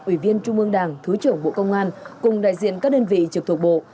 ủy viên trung ương đảng thứ trưởng bộ công an cùng đại diện các đơn vị trực thuộc bộ